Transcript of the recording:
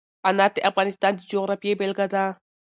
انار د افغانستان د جغرافیې بېلګه ده.